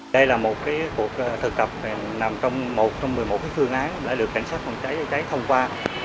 đây là một cuộc thực tập nằm trong một trong một mươi một phương án để được cảnh sát phòng cháy chữa cháy thông qua